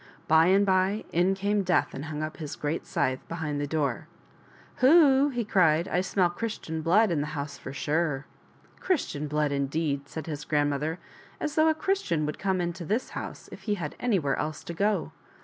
By and by in came Death and hung up his great scythe behind the door. " Hu u u u !" cried he, " I smell Christian blood in the house for sure." " Christian blood, indeed !" said his grandmother, " as though a Christian would come to this house if he had anywhere else to go!